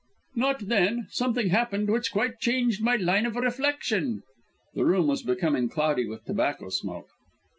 "Not then; something happened which quite changed my line of reflection." The room was becoming cloudy with tobacco smoke.